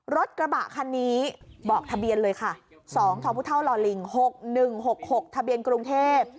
รถกระบะคันนี้บอกทะเบียนเลยค่ะ๒ทพลลิง๖๑๖๖ทะเบียนกรุงเทพ